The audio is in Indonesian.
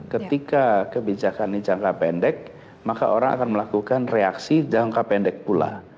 ketika kebijakan ini jangka pendek maka orang akan melakukan reaksi jangka pendek pula